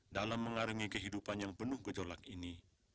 dalam mengarungi kehidupan yang penuh kecolak ini